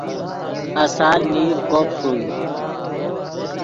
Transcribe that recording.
آسال نیڤ کوب ݰوئے